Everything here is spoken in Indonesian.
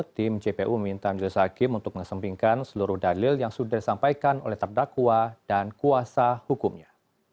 tim jpu meminta majelis hakim untuk mengesempingkan seluruh dalil yang sudah disampaikan oleh terdakwa dan kuasa hukumnya